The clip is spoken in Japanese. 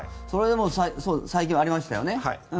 それも最近はありましたよね。